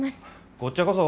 こっちゃこそ。